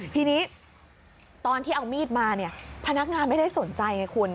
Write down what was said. ทีนี้ตอนที่เอามีดมาเนี่ยพนักงานไม่ได้สนใจไงคุณ